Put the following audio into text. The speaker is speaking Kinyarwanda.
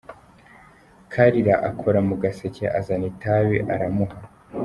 Kalira akora mu gaseke azana itabi aramuha.